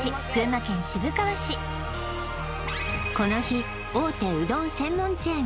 この日大手うどん専門チェーン